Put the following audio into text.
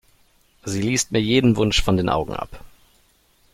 Sie liest mir jeden Wunsch von den Augen ab.